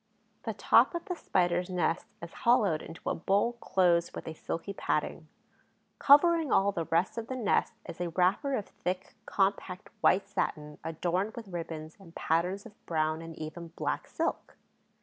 The top of the Spider's nest is hollowed into a bowl closed with a silky padding. Covering all the rest of the nest is a wrapper of thick, compact white satin, adorned with ribbons and patterns of brown and even black silk.